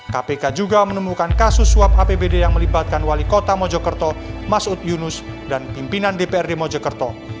kpk juga menemukan kasus suap apbd yang melibatkan wali kota mojokerto mas ut yunus dan pimpinan dprd mojokerto